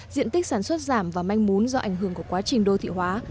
diện tích sản xuất giảm và manh mún do ảnh hưởng của quá trình đô thị hóa